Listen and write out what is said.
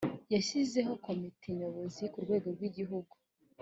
yashyizeho komite nyobozi ku rwego rw igihugu